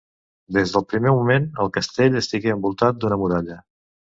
Des del primer moment el castell estigué envoltat d'una muralla.